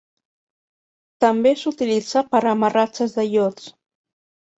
També s'utilitza per a amarratges de iots.